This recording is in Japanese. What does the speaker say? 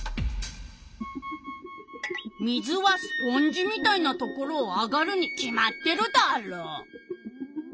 水はスポンジみたいなところを上がるに決まってるダーロ？